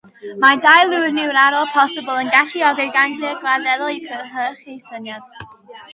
Mae dau lwybr niwral posibl yn galluogi'r ganglia gwaelodol i gynhyrchu symudiad.